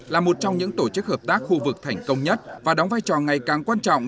là một trong những tổ chức hợp tác khu vực thành công nhất và đóng vai trò ngày càng quan trọng